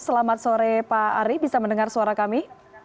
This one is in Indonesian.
selamat sore pak ari bisa mendengar suara kami